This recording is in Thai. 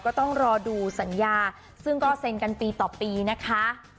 ก็ต้องรอดูสัญญาซึ่งก็เซ็นกันปีต่อปีนะคะ